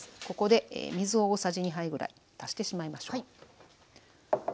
ここで水を大さじ２杯ぐらい足してしまいましょう。